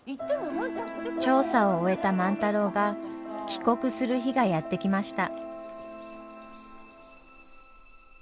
調査を終えた万太郎が帰国する日がやって来ました。